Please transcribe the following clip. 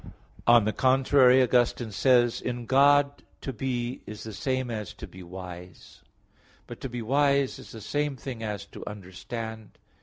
On the contrary, Augustine says (De Trin. vii), "In God to be is the same as to be wise." But to be wise is the same thing as to understand.